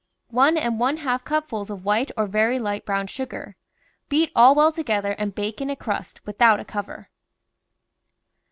One and one half cupfuls of white or very light brown sugar. Beat all well together and bake in a crust without a cover.